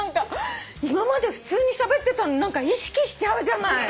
「今まで普通にしゃべってたのに意識しちゃうじゃない」